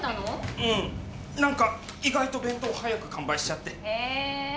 うん何か意外と弁当早く完売しちゃってへえ